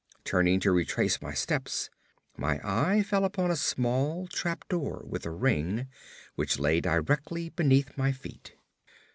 Turning to retrace my steps, my eye fell upon a small trap door with a ring, which lay directly beneath my feet.